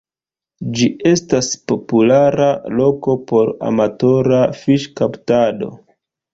Ĝi estas populara loko por amatora fiŝkaptado.